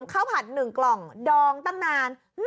ข้าวผัด๑กล่องดองตั้งนาน